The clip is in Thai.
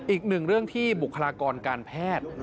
อีกหนึ่งเรื่องที่บุคลากรการแพทย์